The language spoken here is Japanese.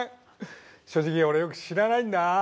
正直俺よく知らないんだ。